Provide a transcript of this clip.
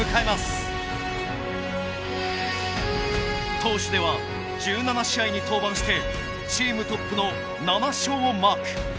投手では１７試合に登板してチームトップの７勝をマーク。